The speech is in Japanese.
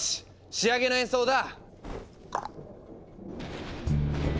仕上げの演奏だ！